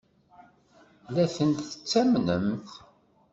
Ad ten-tamnemt?